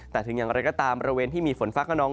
แต่ถึงอย่างไรก็ตามบริเวณที่มีฝนฟ้าขนอง